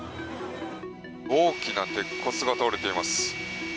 大きな鉄骨が倒れています。